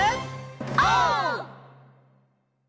オー！